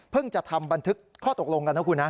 จะทำบันทึกข้อตกลงกันนะคุณนะ